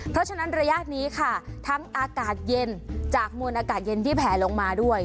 เพราะฉะนั้นระยะนี้ค่ะทั้งอากาศเย็นจากมวลอากาศเย็นที่แผลลงมาด้วย